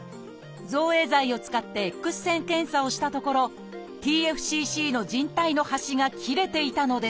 造影剤を使ってＸ線検査をしたところＴＦＣＣの靭帯の端が切れていたのです。